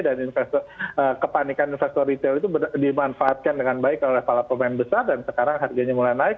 dan kepanikan investor retail itu dimanfaatkan dengan baik oleh kepala pemain besar dan sekarang harganya mulai naik